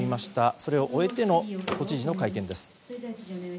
それを終えての都知事の会見です。